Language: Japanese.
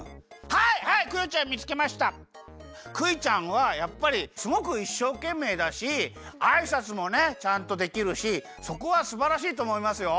クイちゃんはやっぱりすごくいっしょうけんめいだしあいさつもねちゃんとできるしそこはすばらしいとおもいますよ。